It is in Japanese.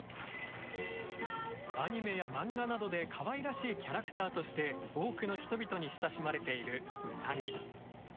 アニメや漫画などでかわいらしいキャラクターとして多くの人々に親しまれているウサギ。